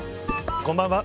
こんばんは。